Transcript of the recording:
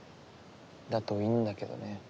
だといいんだけどね。